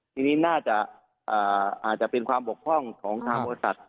ทีนี้น่าจะอาจจะเป็นความบกพร่องของทางบริษัท